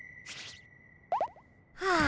はあ。